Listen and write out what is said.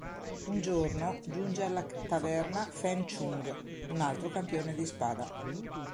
Un giorno, giunge alla taverna Feng Chung, un altro campione di spada.